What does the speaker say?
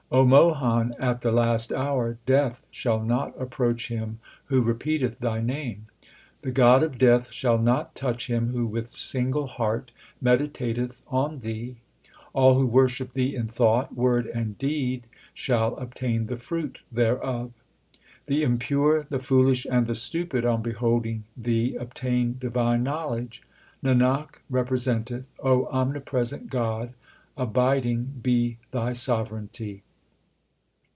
O Mohan, at the last hour Death shall not approach him who repeat eth Thy name. The god of death shall not touch him who with single heart meditateth on Thee. All who worship Thee in thought, word, and deed, shall obtain the fruit thereof. The impure, the foolish, and the stupid on beholding Thee obtain divine knowledge. Nanak representeth, O omnipresent God, abiding be Thy sovereignty.